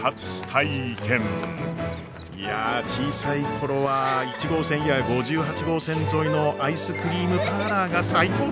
いや小さい頃は１号線や５８号線沿いのアイスクリームパーラーが最高でした！